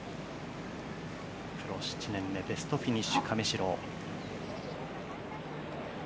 プロ７年目、ベストフィニッシュ、亀代。